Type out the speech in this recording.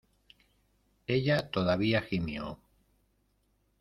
ella todavía gimió: